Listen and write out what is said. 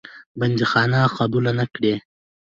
بندیخانه قبوله نه کړې.